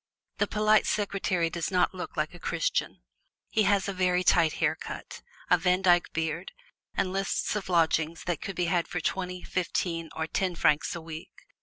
The polite Secretary does not look like a Christian: he has a very tight hair cut, a Vandyke beard and lists of lodgings that can be had for twenty, fifteen or ten francs a week.